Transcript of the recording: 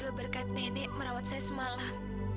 ini berkat nenek merawat saya semalam